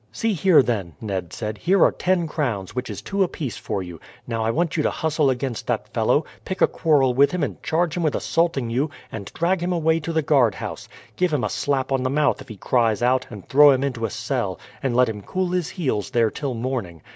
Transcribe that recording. "See here, then," Ned said. "Here are ten crowns, which is two apiece for you. Now, I want you to hustle against that fellow, pick a quarrel with him and charge him with assaulting you, and drag him away to the guard house. Give him a slap on the mouth if he cries out, and throw him into a cell, and let him cool his heels there till morning.